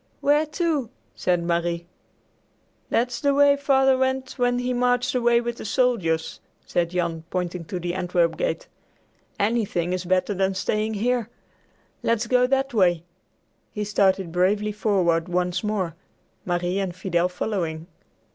"Where to?" said Marie. "That's the way Father went when he marched away with the soldiers," said Jan, pointing to the Antwerp gate. "Anything is better than staying here. Let's go that way." He started bravely forward once more, Marie and Fidel following.